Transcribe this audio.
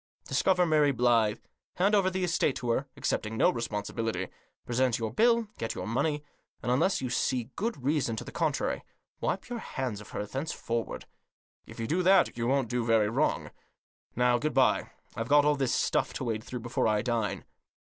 Discover Mary Blyth ; hand over the estate to her, accepting no responsibility ; present your bill, get your money ; and, unless you see good reason to the contrary, wipe your hands of her thence forward. If you do that you won't do very far wrong. Now, good bye ; I've got all this stuff to wade through before I dine."